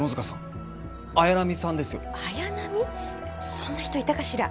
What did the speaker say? そんな人いたかしら。